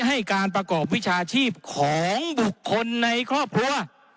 ให้การประกอบวิชาชีพของบุคคลในครอบครัว